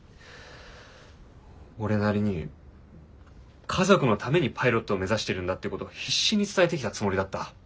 俺なりに家族のためにパイロットを目指してるんだってことを必死に伝えてきたつもりだった。